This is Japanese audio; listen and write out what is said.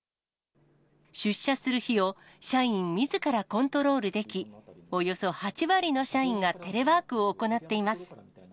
出社する日を社員みずからコントロールでき、およそ８割の社員がテレワークを行っています。